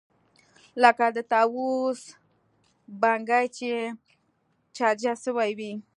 لکه د طاووس بڼکې چې چجه سوې وي.